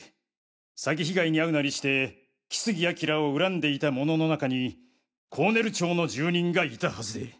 詐欺被害にあうなりして木杉彬を恨んでいた者の中に甲練町の住人がいたはずで。